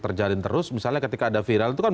terjalin terus misalnya ketika ada viral itu kan